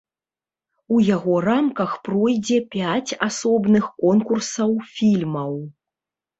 У яго рамках пройдзе пяць асобных конкурсаў фільмаў.